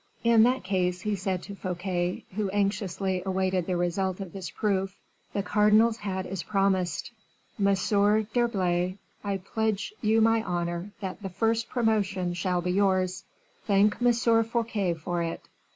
"In that case," he said to Fouquet, who anxiously awaited the result of this proof, "the cardinal's hat is promised. Monsieur d'Herblay, I pledge you my honor that the first promotion shall be yours. Thank M. Fouquet for it."